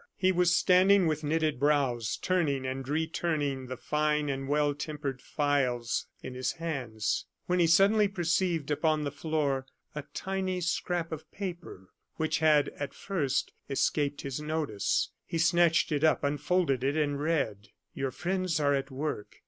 He was standing with knitted brows, turning and returning the fine and well tempered files in his hands, when he suddenly perceived upon the floor a tiny scrap of paper which had, at first, escaped his notice. He snatched it up, unfolded it, and read: "Your friends are at work.